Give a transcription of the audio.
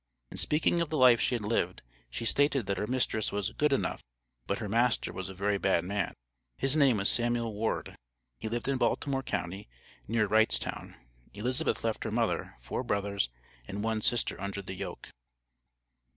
In speaking of the life she had lived, she stated that her mistress was "good enough," but her "master was a very bad man." His name was Samuel Ward; he lived in Baltimore county, near Wrightstown. Elizabeth left her mother, four brothers and one sister under the yoke.